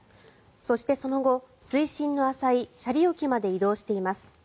そして、その後水深の浅い斜里沖まで移動しています。